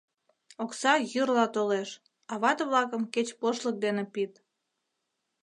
Окса йӱрла толеш, а вате-влакым кеч пошлык дене пид.